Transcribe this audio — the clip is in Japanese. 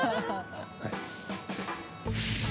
はい。